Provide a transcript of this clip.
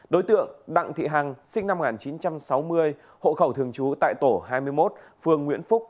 đối tượng đặng thị hằng sinh năm một nghìn chín trăm sáu mươi hộ khẩu thường trú tại tổ hai mươi một phường nguyễn phúc